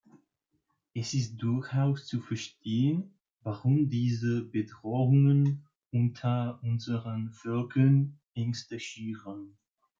Es ist durchaus zu verstehen, warum diese Bedrohungen unter unseren Völkern Ängste schüren.